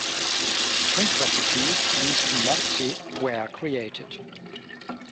Drink recipes using Moxie were created.